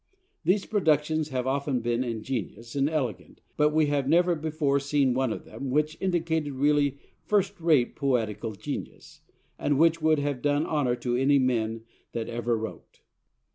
These productions have often been ingenious and elegant but we have never before seen one of them which indicated really first rate poetical genius, and which would have done honour to any men that ever wrote.